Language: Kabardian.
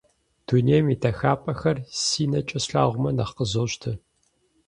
Дунейм и дахапӀэхэр си нэкӀэ слъагъумэ, нэхъ къызощтэ.